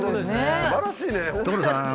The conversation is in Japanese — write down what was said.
すばらしいね！